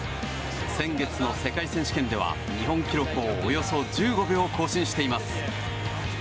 先月の世界選手権では日本記録をおよそ１５秒更新しています。